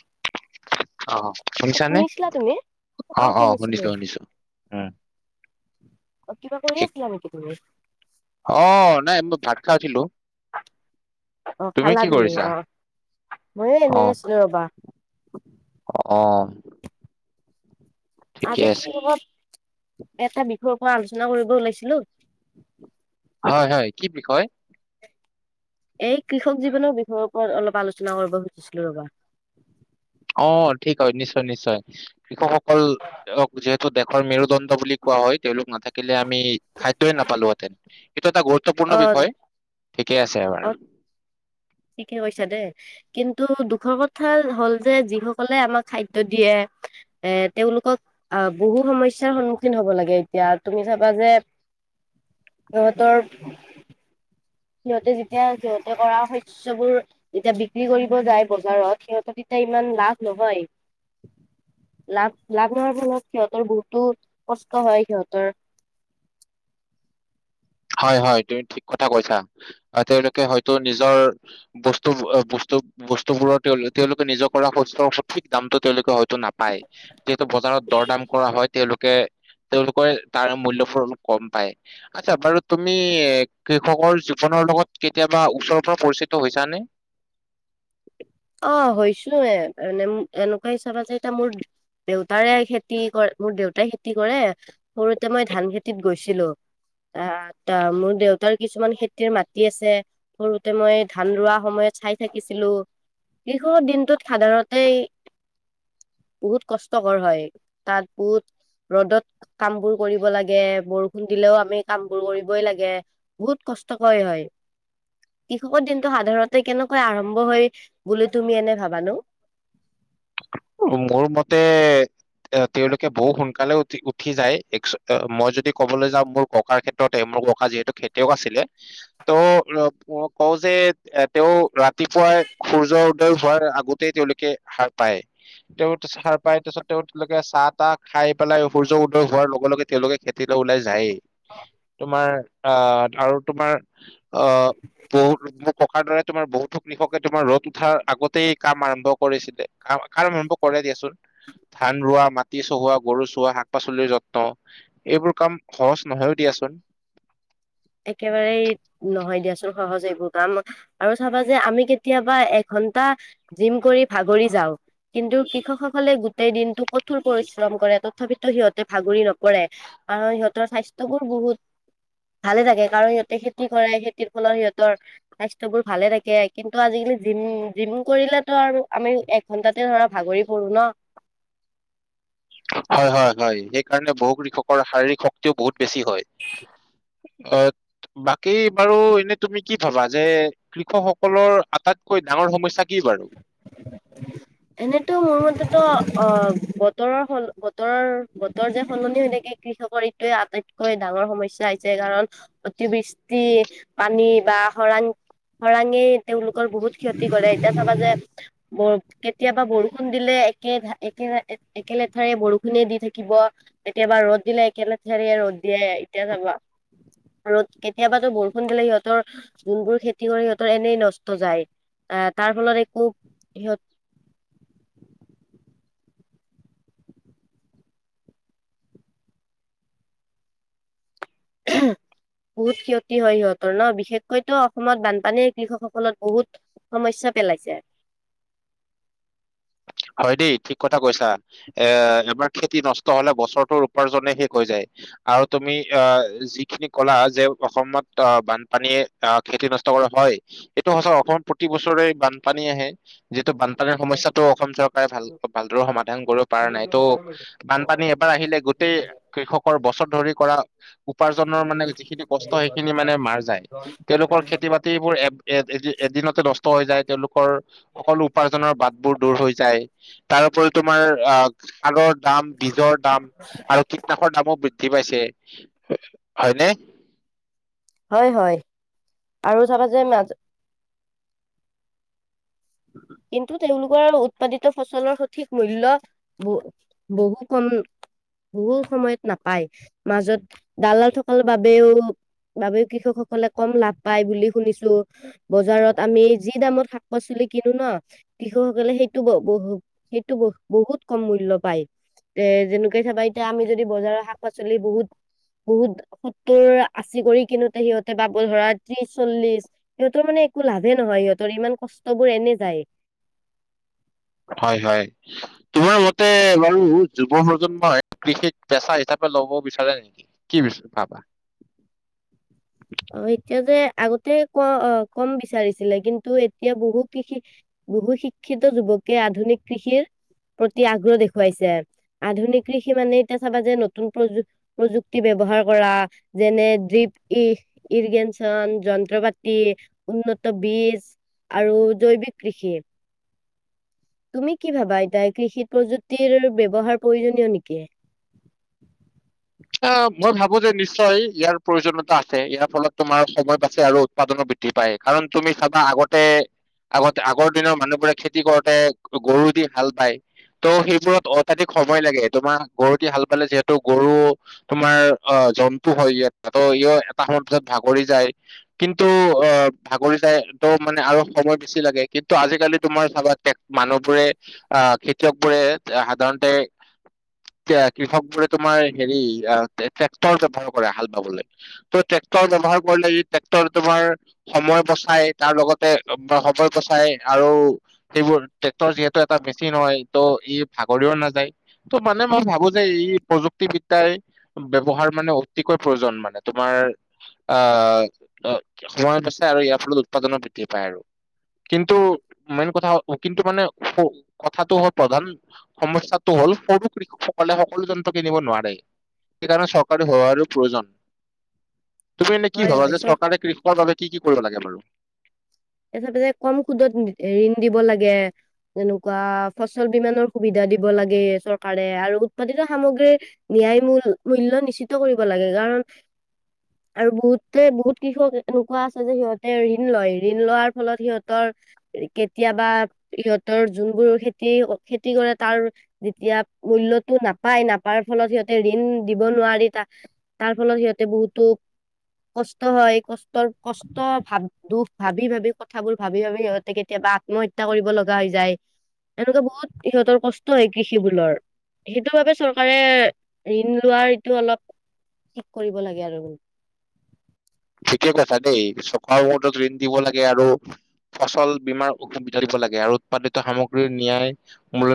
[inaudible] অ', অ', শুনিছানে শুনিছিলা তুমি? অ', অ', শুনিছো শুনিছো উম। অ কিবা কৰি আছিলা নেকি তুমি? অ', নাই মই ভাত খাই উঠিলো, অ তুমি খালা কি কৰিছা অ ময়ো এনে আহ। আছিলো ৰবা। অ'। ঠিকে আজি আছে লগত এটা বিষয় আলোচনা কৰিব ওলাইছিলো। হয় হয় কি বিষয়? এই কৃষক জীৱনৰ বিষয়ৰ ওপৰত অলপ আলোচনা কৰিব খুজিছিলো ৰবা। অ', ঠিক হয় নিশ্চয় নিশ্চয়। কৃষকসকল সকল যি হেতো দেশৰ মেৰুদণ্ড বুলি কোৱা হয় তেওঁ লোক নাথাকিলে আমি খাদ্যযই নাপালোহেঁতেন। এটা গুৰুত্বপূৰ্ণ অ বিষয় ঠিকে আছে। বাৰু অ', ঠিকে কৈছা দে। কিন্তু দুখৰ কথা হ'ল যে যিসকলে আমাক খাদ্য দিয়ে এ তেওঁলোকক আহ বহু সমস্যাৰ সন্মুখীন হব লাগে এতিয়া তুমি চাবা যে সিহঁতৰ সিহঁতে যেতিয়া সিহঁতে কৰা শষ্যযবোৰ যেতিয়া বিক্ৰী কৰিব যায় বজাৰত সিহঁতৰ তেতিয়া ইমান লাভ নহয় লাভ লাভ নোৱাৰ ফলত সিহঁতৰ বহুতো কষ্ট হয় সিহঁতৰ। হয় হয় তুমি ঠিক কথা কৈছা তেওঁলোকে হয়তো নিজৰ বস্তু বস্তু বস্তু বোৰৰ তেওঁলোকে নিজৰ কৰা সুস্থ সঠিক দামটো তেওঁলোকে হয়তো নাপ পায় যিহেতু বজাৰত দৰ দাম কৰা হয় তেওঁলোকে তেওঁলোকে তাৰ মূল্যবোৰ অলপ কম পায় আচ্ছা বাৰু তুমি কৃষকৰ জীৱনৰ লগত কেতিয়াবা ওচৰৰ পৰা পৰিচিত হৈছানে? অ', হৈছোয়ে মানে এনেকুৱা হিচাপ আছে এতিয়া মোৰ দেউতাৰে খেতি কৰে মোৰ দেউতাই খেতি কৰে সৰুতে মই ধান খেতিত গৈছিলো ত মোৰ দেউতাৰ কিছুমান খেতিৰ মাটি আছে সৰুতে মই ধান ৰোৱা সময়ত চাই থাকিছিলো। কৃষকৰ দিনটোত সাধাৰতে বহুত কষ্টকৰ হয় তাত বহুত ৰ'দত কাম বোৰ কৰিব লাগে বৰষুণ দিলেও আমি কাম বোৰ কৰিবই লাগে বহুত কষ্টকৰ হয় কৃষকৰ দিনটো সাধাৰণতে কেনেকৈ আৰম্ভ হয় বুলি তুমি এনে ভাৱ নো? মোৰ মতে তেওঁলোকে বহু সোনকালে উঠি যায় মই যদি কবলৈ যাওঁ মোৰ ককাৰ ক্ষেত্ৰতে মোৰ ককা যিহেতু খেতিয়ক আছিলে ত কও যে এ তেওঁ ৰাতিপুৱাই সূৰ্য উদয় হোৱাৰ আগতেই তেওঁলোকে হাৰ পায়। তেওঁ হাৰপাই তাৰপিছত তেওঁ তেওঁলোকে চাহ তাহ খাই পেলাই সূৰ্য উদয় হোৱাৰ লগে লগে তেওঁলোকে খেতিলৈ ওলাই যায়েই। তোমাৰ আহ আৰু তোমাৰ অ', বহুত মোৰ ককাৰ দৰে তোমাৰ বহুতোক কৃষকে তোমাৰ ৰ'দ উঠাৰ আগতেই কাম আৰম্ভ কৰিছিলে। কাৰন আৰম্ভভ কৰে দিয়াচোন ধান ৰোৱা মাটি চহোৱা গৰু চোৱা শাক পাচলিৰ যত্ন এইবোৰ কাম সহজ নহয়ও দিয়াচোন। একেবাৰে নহয় দিয়াচোন সহজ এইবোৰ কাম আৰু চাবা যে আমি কেতিয়াবা এঘন্টা জিম কৰি ভাগৰি যাওঁ কিন্তু কৃষকসকলে গোটেই দিনটো কঠোৰ পৰিশ্ৰম কৰে তথাপিতো সিহঁতে ভাগৰি নপৰে আৰু সিহঁতৰ স্বাস্থ্যয়বোৰ বহুত ভালে থাকে কাৰণ সিহঁতে খেতি কৰে খেতিৰ ফলত সিহঁতৰ স্বাস্থ্য বোৰ ভালে থাকে কিন্তু আজিকালি জিম জিম কৰিলেতো আৰু আমি এঘন্টাতে ধৰা ভাগৰি পৰো ন হয় হয় হয় সেইকাৰণে বহু কৃষকৰ শাৰীৰিক শক্তিও বহুত বেছি হয় অ' বাকী বাৰু এনে তুমি কি ভাবা যে কৃষকসকলৰ আটাইতকৈ ডাঙৰ সমস্যাৰ এনেইতো মোৰ বস্তু অ বতৰৰ স বতৰৰ বতৰ যে সলনি হৈ থকে কৃষকৰ এইটোৱে আটাইতকৈ ডাঙৰ সমস্যয়া আহি হৈছে কাৰণ অতিবৃষ্টি পানী বা খৰাং খৰাঙে তেওঁলোকৰ বহুত ক্ষতি কৰে দেখা বা যে কেতিয়াবা বৰষুণ দিলে একে এক একে লেঠাৰে বৰষুণে দি থাকিব কেতিয়াবা ৰ'দ দিলে একেল লেঠাৰে ৰ'দ দিয়ে এতিয়া চাবা ৰ'দ কেতিয়াবাতো বৰষুণ দিলে সিহঁতৰ যোনবোৰ খেতি কৰে সিহঁতৰ এনেই নষ্ট যায় ত তাৰ ফলত একো সিহঁত উ বহুত ক্ষতি হয় সিহঁতৰ ন বিশেষকৈতো অসমত বানপানীয়ে কৃষকসকলত বহুত সমস্যয়া পেলাইছে হয় দেই ঠিক কথা কৈছা এ এবাৰ খেতি নষ্ট হলে বছৰটোৰ উপাৰ্জনে শেষ হৈ যায় আৰু তুমি আহ যিখিনি কলা যে অসমত আহ বানপানীয়ে আহ খেতি নষ্ট কৰা হয় এইটো সঁচা অসমত প্ৰতি বছৰে বানপানী আহে বানপানীৰ সমস্যাটো, অসম চৰকাৰে ভাল ভালদৰে সমাধান কৰিব পৰা নাই তো' বানপানী এবাৰ আহিলে গোটেই কৃষকৰ বস্ত বছৰ ধৰি কৰা, উপাৰ্জনৰ মানে যিখিনি কষ্ট সেইখিনি মানে মাৰ যায় তেওঁলোকৰ খেতি বাতিবোৰ এ এ এদিনতে নষ্ট হৈ যায় তেওঁলোক তেওঁৰ সকলো উপাৰ্জনৰ বাট বোৰ দূৰ হৈ, তাৰ ওপৰি তোমাৰ, আগ আগৰ দাম, বীজৰ দাম আৰু কীটনাশকৰ দামো বৃ ধি পাইছে, হয় নে? হয়, হয়। আৰু চাবা যে মাজ কিন্তু তেওঁলোকৰ উৎপাদিত ফচলৰ সঠিক মূল্য ব বহু কম, বহু সময়ত নাপায়। মাজত দালাল থকাৰ বাবেও, বাবেও কৃষকসকলে কম লাভ পায় বুলি শুনিছো, বজাৰত আমি যি দামত শাক পাচলি কিনো ন কৃষক সকলে সেইটো ব-বহু, সেইটো ব- বহুত কম মূল্য পায়। তে যেনেকে চাবা এতিয়া আমি যদি বজাৰৰ শাক পাচলি বহুত, বহুত সত্তৰ আশী কৰি কিনোতে সিহঁতে পাব ধৰা ত্ৰিশ চল্লিশ। সিহঁতৰ মানে একো লাভে নহয়, সিহঁতৰ ইমান কষ্ট বোৰ এনে যায়। হয়, হয়। তোমাৰ মতে বাৰু যুৱ প্ৰজন্মই কৃষিক পেচা হিচাপে লব বিচাৰে নেকি? কি বিচ, পাবা? অ, এতিয়া যে আগতে ক- কম বিচাৰিছিলে, কিন্তু এতিয়া বহু কৃষি, বহু শিক্ষিত যুৱকে আধুনিক কৃষিৰ প্ৰতি আগ্ৰহ দেখুৱাইছে। আধুনিক কৃষি মানে এতিয়া চাবা যে নতুন প্ৰযু- প্ৰযুক্তি ব্যৱহাৰ কৰা, যেনে দীপ ই ইৰিগেশ্যন, যন্ত্ৰ পাতি, উন্নত বীজ আৰু জৈৱিক কৃষি তুমি কি ভাবা এতিয়া, কৃষিত প্ৰযুক্তিৰ ব্যৱহাৰ প্ৰয়োজনীয় নেকি? অ', মই ভাবো যে নিশ্চয় ইয়াৰ প্ৰয়োজনীয়তা আছে, ইয়াৰ ফলত তোমাৰ সময় বাছে আৰু উৎপাদনো বৃদ্ধি পায়। কাৰণ তুমি চাবা আগতে, আগত আগৰ দিনৰ মানুহবোৰে খেতি কৰোতে গৰু দি হাল বায়। ত' সেইবোৰত অত্যাধিক সময় লাগে তোমাৰ গৰু দি হাল বালে যিহেতু গৰু তোমাৰ অ, জন্তু হয় ইহঁত। ত ই এটা সময়ৰ পিছত ভাগৰি যায়। কিন্তু অ, ভাগৰি যায় ত' মানে আৰু সময় বেছি লাগে। কিন্তু আজিকালি তোমাৰ চাবা মানুহবোৰে, অ খেতিয়ক বোৰে সাধাৰণতে কৃষক বোৰে তোমাৰ হেৰি, ইয়াৰ ট্ৰেক্টৰ ব্যৱহাৰ কৰে হাল বাবলৈ। ত' ট্ৰেক্টৰ ব্যৱহাৰ কৰিলে ই ট্ৰেক্টৰ তোমাৰ সময় বচায়, তাৰ লগতে সময় বচায় আৰু সেইবোৰ ট্ৰেক্টৰ যিহেতু এটা মেচিন হয়, ত' ই ভাগৰিও নাযায়। ত' মানে মই ভাবো যে ই প্ৰযুক্তিবিদ দাই ব্যৱহাৰ মানে অতিকৈ প্ৰয়োজন মানে, তোমাৰ আ সময় বচায় আৰু ইয়াৰ ফলত উৎপাদনো বৃদ্ধি পায় আৰু। কিন্তু মেইন কথা, কিন্তু মানে কথাটো হল প্ৰধান, সমস্যাটো হ'ল সৰু কৃষকসকলে সকলো যন্ত্ৰ কিনিব নোৱাৰে। সেইকাৰণে চৰকাৰৰ সহায়ৰ প্ৰয়োজন। তুমি এনে কি হয় ভাবা, হয় যে চৰ চৰকাৰে কৃষকৰ বাবে কি কি কৰিব লাগে বাৰু,? এই হিচাপে কম সুদত ঋণ দিব লাগে এনেকুৱা ফচল বিমানৰ সুবিধা দিব লাগে চৰকাৰে আৰু উৎপাদিত সামগ্ৰীৰ ন্যায় মূল মূল্য নিশ্চিত কৰিব লাগে। কাৰণ আৰু বহুতে বহুত কৃষক এনেকুৱা আছে যে সিহঁতে ঋণ লয় ঋণ লোৱাৰ ফলত সিহঁতৰ কেতিয়াবা সিহঁতৰ জোনবোৰ খেতি খেতি কৰে, তাৰ যেতিয়া মূল্যটো নাপায়, নাপাৱাৰ ফলত সিহঁতে ঋণ দিব নোৱাৰি তা তাৰ ফলত সিহঁতে বহুতো কষ্ট হয়, কষ্টৰ কষ্ট ভাৱ দুখ ভাবি ভাবি কথাবোৰ ভাবি ভাবি সিহঁতে কেতিয়াবা আত্মহত্যা কৰিব লগা হৈ যায়। এনেকুৱা বহুত সিহঁতৰ কষ্ট হয় কৃষিবোৰৰ, সেইটোৰ বাবে চৰকাৰে ঋণ লোৱাৰ এইটো অলপ থিক কৰিব লাগে আৰু। ঠিকে কৈছা দেই [unintelligible] ঋণ দিব লাগে আৰু ফচল বীমাৰ অসুবিধা দিব লাগে আৰু উৎপাদিত সামগ্ৰীৰ ন্যায়, মূল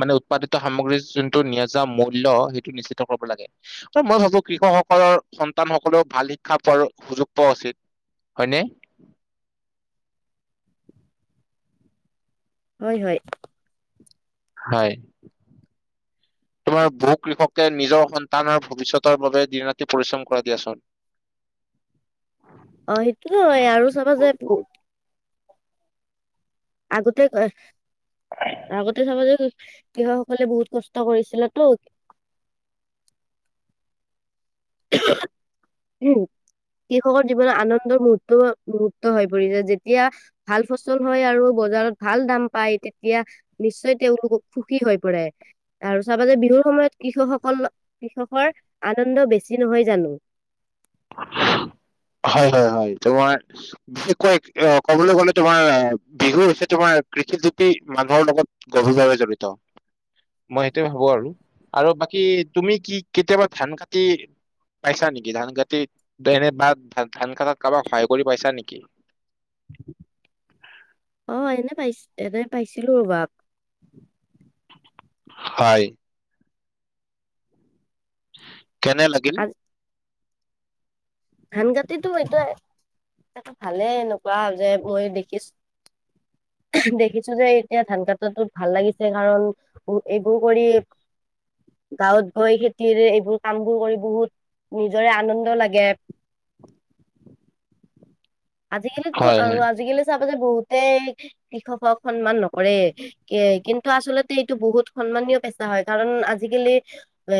মানে উৎপাদিত সামগ্ৰীৰ জোনটো ন্যায্য মূল্য, সেইটো নিশ্চিত কৰিব লাগে। আৰু মই ভাবো কৃষকসকলৰ সন্তানসকলেও ভাল শিক্ষা ক্ষাৰ সুযোগ পোৱা উচিত, হয়নে? হয়, হয়। হয় তোমাৰ বহু কৃষকে নিজৰ সন্তান আৰু ভৱিষ্যতৰ বাবে দিন ৰাতি পৰিশ্ৰম কৰা দিয়াচোন অ' সেইটো আৰু চাবা যায় বহুত আগতে ক আগতে চাব যে কৃষকসকলে বহুত কষ্ট কৰিছিল তো কৃষকৰ জীৱনত আনন্দৰ মুহৰ্ত মুহৰ্ত হৈ পৰিছে যেতিয়া ভাল ফচল হয় আৰু বজাৰত ভাল দাম পায় তেতিয়া নিশ্চয় তেওঁলোকক সুখী হৈ পৰে আৰু চাবা যে বিহুৰ সময়ত কৃষকসকল কৃষকৰ আনন্দ বেছি নহয় জানো হয় হয় হয় তোমাৰ বিশেষকৈ কবলৈ গলে তোমাৰ বিহু হৈছে তোমাৰ কৃষি- মানুহৰ লগত গভীৰভাৱে জড়িত মই সেইটোয়ে ভাবো আৰু আৰু বাকী তুমি কি কেতিয়াবা ধান কাটি পাইছা নেকি ধান ক এনে বা ধ ধান কাটাত কাৰোবাক সহায় কৰি পাইছা নেকি [unintelligible] অ এনে পাইছ এনে পাইছিলো ৰব হয় উ [inaudible] কেনে লাগিল আজ- ধান কাতিটো এই টোৱে ভালেই এনেকুৱা যে মই দেখিছো দেখিছো যে এতিয়া ধান কটা ভাল লাগিছে কাৰণ এইবোৰ কৰি গাঁৱত গৈ খেতি এইবোৰ কামবোৰ কৰি বহুত নিজৰে আনন্দ লাগে আজিকালিতো হয় হয় আৰু আজিকালি চাবা যে বহুত কৃষকক সন্মান নকৰে এ কিন্তু আচলতে এইটো বহুত সন্মানীয় পেচা হয় কাৰণ আজিকালি এ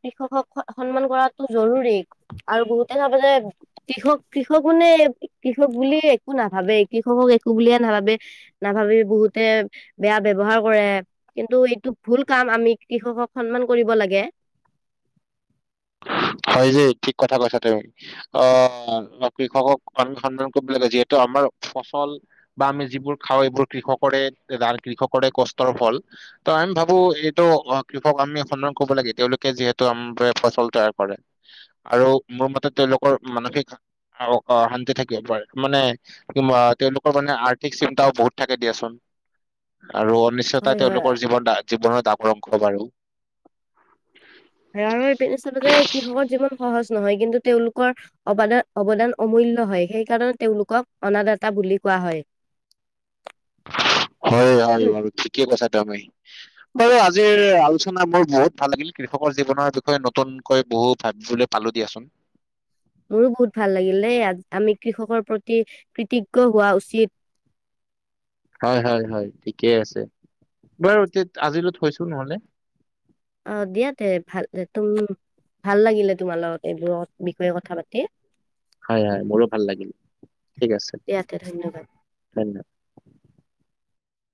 কৃষকক সন্মান কৰাটো জৰুৰী আৰু বহুত তেয়া ভাব যে কৃষক কৃষকো নে কৃষক বুলিয়ে একো নাভাবে কৃষকক একো বুলিয়ে নাভাবে নাভাবি বহুতে বেয়া ৱ্যৱহাৰ কৰে কিন্তু এইটো ভুল কাম আমি কৃষকক সন্মান কৰিব লাগে হয় জি ঠিক কথা কৈছা তুমি অ কৃষকক আমি সন্মান কৰিব লাগে যিহেতু আমাৰ ফচল বা আমি যিবোৰ খাওঁ এইবোৰ কৃষকৰে কৃষকৰে কষ্টৰ ফল ত আমি ভাবো এইটো কৃষক আমি সন্ধান কৰিব লাগে তেওঁলোকে যিহেতু আম ফচল [unintelligible] তৈয়াৰ কৰে আৰু মোৰ মতে তেওঁলোকৰ মানসিক শান্তি থাকিব পাৰে মানে তেওঁলোকৰ মানে আৰ্থিক চিন্তাও বহুত থাকে দিয়াচোন আৰু অনিশ্চয়তা হয় হয় তেওঁলোকৰ জীৱন জীৱনত আকৰংক বাৰু [unintelligible] স আৰু চ যে কৃষকৰ জীৱন সহজ নহয় কিন্তু তেওঁলোকৰ অবাদ [unintelligible] অৱদান অমূল্য হয় সেইকাৰণে তেওঁলোকক অনাদাতা বুলি কোৱা হয় হয় হয় বাৰু ঠিকে কৈছা তুমি। বাৰু আজিৰ আলোচনা বোৰ বহুত ভাল লাগিল। কৃষকৰ জীৱনৰ বিষয়ে নতুনকৈ বহু ভাবলৈ পালো দিয়াচোন। মোৰো বহুত ভাল লাগিল দেই আমি কৃষকৰ প্ৰতি কৃতজ্ঞ হোৱা উচিত। হয় হয় হয় ঠিকেই আছে, বাৰু দিয়া আজিলৈ থৈছো নহলে। তোম ভাল লাগিলে তোমাৰ লগত এইবোৰৰ বিষয়ে কথা পাতি। হয় হয় মোৰো ভাল লাগিল ঠিক আছে দিয়া তে ধন্যবাদ। ধন্যবাদ।